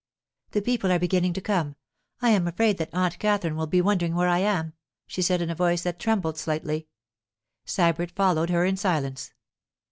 'The people are beginning to come. I am afraid that Aunt Katherine will be wondering where I am,' she said in a voice that trembled slightly. Sybert followed her in silence.